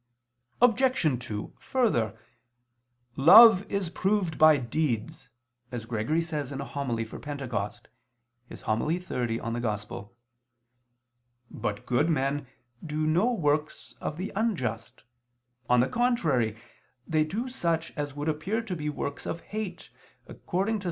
Obj. 2: Further, "love is proved by deeds" as Gregory says in a homily for Pentecost (In Evang. xxx). But good men do no works of the unjust: on the contrary, they do such as would appear to be works of hate, according to Ps.